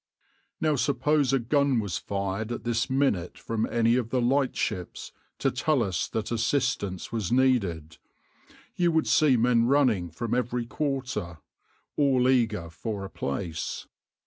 Now suppose a gun was fired at this minute from any of the lightships to tell us that assistance was needed you would see men running from every quarter, all eager for a place.